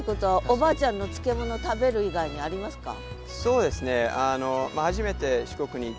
おばあちゃんの漬物食べる以外にありますか？